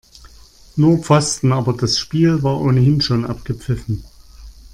Nur Pfosten, aber das Spiel war ohnehin schon abgepfiffen.